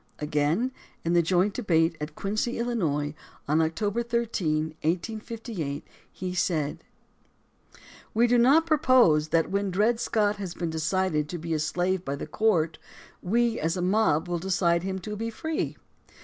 Again, in the joint debate at Quincy, Illinois, on October 13, 1858, he said: We do not propose that when Dred Scott has been decided to be a slave by the court, we, as a mob, will decide him to be free.